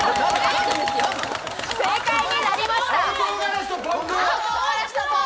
正解になりました。